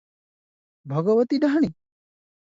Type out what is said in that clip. ଭଗବତୀ ଡାହାଣୀ?